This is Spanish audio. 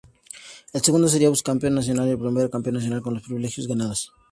El segundo sería Subcampeón Nacional y el primero Campeón Nacional con los privilegios ganados.